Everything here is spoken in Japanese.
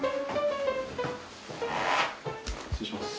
失礼します。